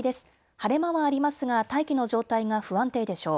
晴れ間はありますが大気の状態が不安定でしょう。